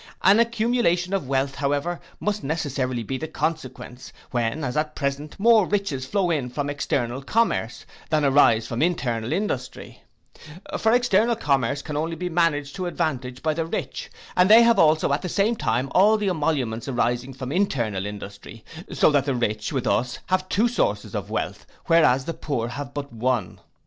An accumulation of wealth, however, must necessarily be the consequence, when as at present more riches flow in from external commerce, than arise from internal industry: for external commerce can only be managed to advantage by the rich, and they have also at the same time all the emoluments arising from internal industry: so that the rich, with us, have two sources of wealth, whereas the poor have but one.